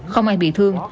không ai bị thương